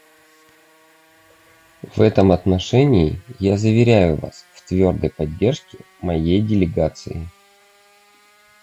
В этом отношении я заверяю Вас в твердой поддержке моей делегации.